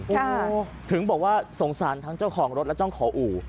โอ้โหถึงบอกว่าสงสารทั้งเจ้าของรถและเจ้าของอู่